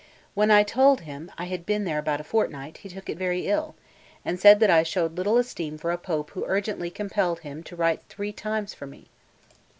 When I told him I had been there about a fortnight, he took it very ill, and said that I showed little esteem for a Pope who had urgently compelled him to write three times for me.